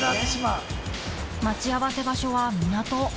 ［待ち合わせ場所は港］